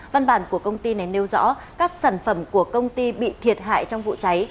văn bản của công ty này nêu rõ các sản phẩm của công ty bị thiệt hại trong vụ cháy